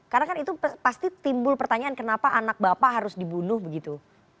karena kan itu pasti timbul pertanyaan kenapa anak bapak harus dibunuh begitu